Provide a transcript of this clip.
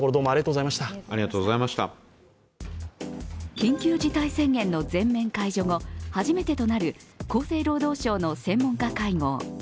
緊急事態宣言の全面解除後、初めてとなる厚生労働省の専門家会合。